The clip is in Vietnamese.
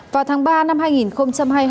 vào tháng ba năm hai nghìn hai mươi hai